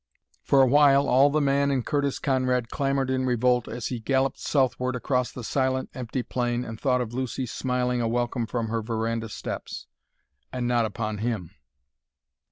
For a while all the man in Curtis Conrad clamored in revolt as he galloped southward across the silent, empty plain and thought of Lucy smiling a welcome from her veranda steps and not upon him.